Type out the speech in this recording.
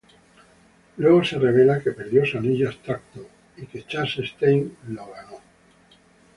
Luego se revela que perdió su anillo Abstracto, y que Chase Stein lo ganó.